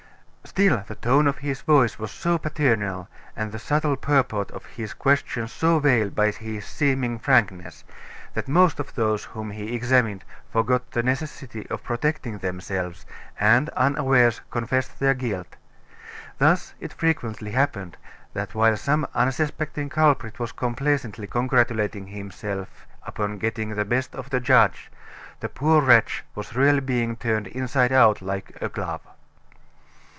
Still, the tone of his voice was so paternal, and the subtle purport of his questions so veiled by his seeming frankness, that most of those whom he examined forgot the necessity of protecting themselves, and unawares confessed their guilt. Thus, it frequently happened that while some unsuspecting culprit was complacently congratulating himself upon getting the best of the judge, the poor wretch was really being turned inside out like a glove.